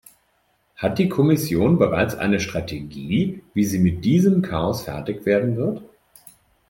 Hat die Kommission bereits eine Strategie, wie sie mit diesem Chaos fertig werden wird?